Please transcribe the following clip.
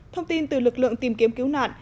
thông tin từ lực lượng tìm kiếm cứu nạn